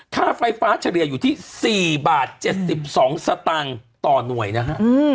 ค่าไฟฟ้าเฉลี่ยอยู่ที่๔๗๒บาทต่อหน่วยนะฮะ